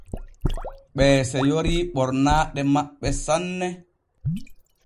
Ɓee seyori ɓornaaɗe maɓɓe sanne.